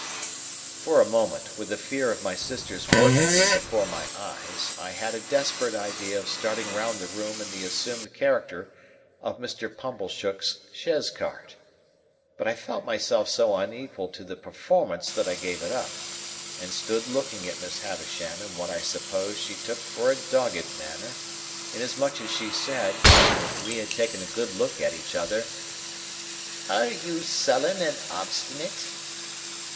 For a moment, with the fear of my sister's working me before my eyes, I had a desperate idea of starting round the room in the assumed character of Mr. Pumblechook's chaise cart. But I felt myself so unequal to the performance that I gave it up, and stood looking at Miss Havisham in what I suppose she took for a dogged manner, inasmuch as she said, when we had taken a good look at each other,— "Are you sullen and obstinate?"